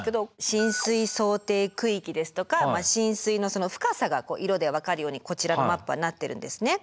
浸水想定区域ですとか浸水のその深さが色でわかるようにこちらのマップはなってるんですね。